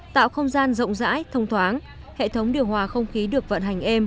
tạo không gian rộng rãi thông thoáng hệ thống điều hòa không khí được vận hành êm